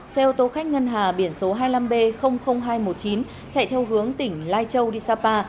xe ô tô khách ngân hà biển số hai mươi năm b hai trăm một mươi chín chạy theo hướng tỉnh lai châu đi sapa